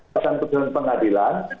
pertama kemudian pengadilan